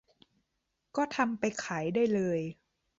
ก็ทำไปขายได้เลย